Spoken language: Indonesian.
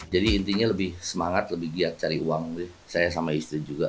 jadi intinya lebih semangat lebih giat cari uang saya sama istri juga